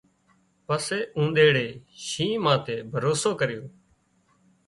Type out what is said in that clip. پڻ اونۮيڙي شينهن ماٿي ڀروسو ڪريو